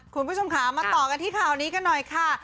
คุณผู้ชมค่ะมาต่อกันที่ข่าวนี้กันหน่อยค่ะ